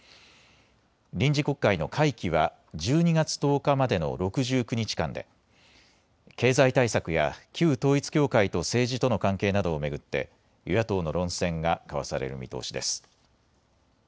臨時国会の会期は１２月１０日までの６９日間で経済対策や旧統一教会と政治との関係などを巡って与野党の論戦が交わされる見通しです。